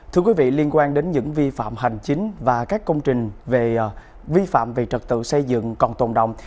thưa quý vị liên quan đến những vi phạm hành chính và các công trình về vi phạm về trật tự xây dựng còn tồn động